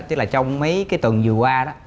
chứ là trong mấy cái tuần vừa qua đó